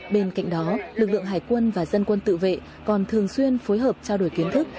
bên cạnh đó lực lượng hải quân và dân quân tự vệ còn thường xuyên phối hợp trao đổi kiến thức